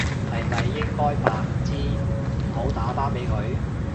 係咪應該扮唔知唔好打返俾佢？